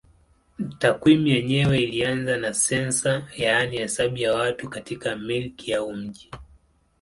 Takwimu yenyewe ilianza na sensa yaani hesabu ya watu katika milki au mji.